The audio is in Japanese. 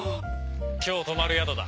今日泊まる宿だ。